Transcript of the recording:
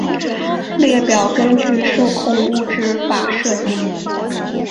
列表根据受控物质法设计。